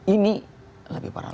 ini lebih parah